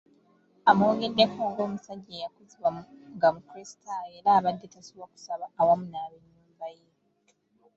Amwogeddeko ng’omusajja eyakuzibwa nga mukulisitaayo era abadde tasubwa kusaba awamu n’abennyumba ye.